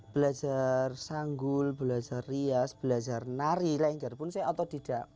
belajar sanggul belajar rias belajar nari lengger pun saya otodidak